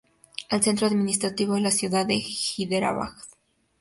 El centro administrativo es la ciudad de Hyderabad.